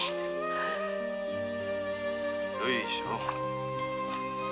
よいしょ。